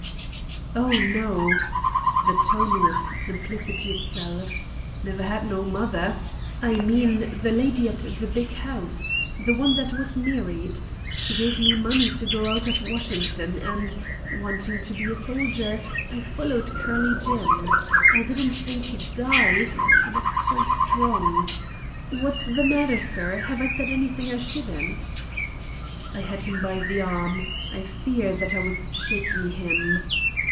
"Oh, no;" the tone was simplicity itself. "Never had no mother. I mean the lady at the big house; the one that was married. She gave me money to go out of Washington, and, wanting to be a soldier, I followed Curly Jim. I didn't think he'd die—he looked so strong— What's the matter, sir? Have I said anything I shouldn't?" I had him by the arm. I fear that I was shaking him.